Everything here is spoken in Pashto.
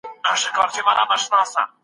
سردار باید خپل ترلاس لاندي کسانو خیال وساتي.